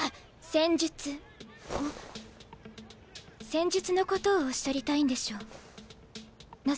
戦術のことをおっしゃりたいんでしょう望